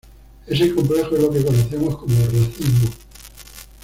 Ese complejo es lo que conocemos como racismo.